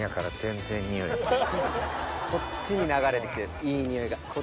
こっちに流れてきてるいい匂いが。